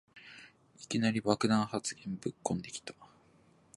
いきなり爆弾発言ぶっこんできた